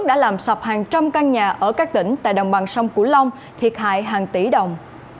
đã làm sập hàng trăm căn nhà ở các tỉnh tại đồng bằng sông cửu long thiệt hại hàng tỷ đồng